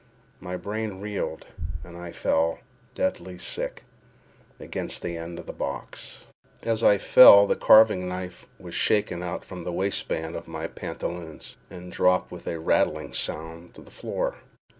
My brain reeled, and I fell, deadly sick, against the end of the box. As I fell the carving knife was shaken out from the waist band of my pantaloons, and dropped with a rattling sound to the floor.